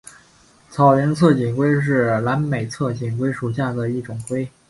草原侧颈龟是南美侧颈龟属下的一种龟。